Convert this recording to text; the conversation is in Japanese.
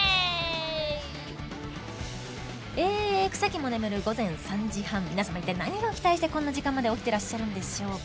えー草木も眠る午前３時半皆様一体何を期待してこんな時間まで起きてらっしゃるんでしょうか。